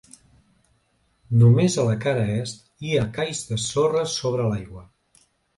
Només a la cara est, hi ha cais de sorra sobre l'aigua.